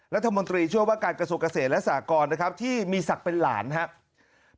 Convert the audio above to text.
รัฐมนตรีช่วยว่าการกระทรวงเกษตรและสากรนะครับที่มีศักดิ์เป็นหลานครับ